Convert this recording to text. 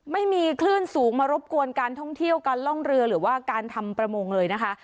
ไม่มีคลื่นสูงมารบกวนการท่องเที่ยวการล่องเรือหรือว่าการทำประมงเลยนะคะ